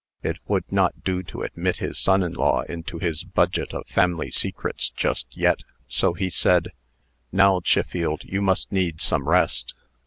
It would not do to admit his son in law into his budget of family secrets just yet. So he said: "Now, Chiffield, you must need some rest.